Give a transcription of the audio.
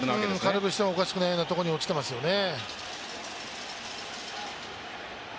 空振りしてもおかしくないようなところに落ちてますよね。